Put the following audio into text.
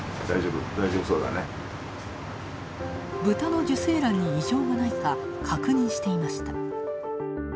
ブタの受精卵に異常がないか確認していました。